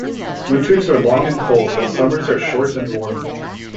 Winters are long and cold, while summers are short and warm.